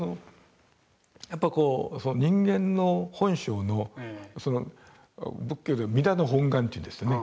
やっぱこう人間の本性の仏教では「弥陀の本願」というんですよね。